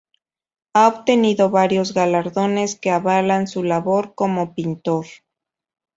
Ha obtenido varios galardones que avalan su labor como pintor.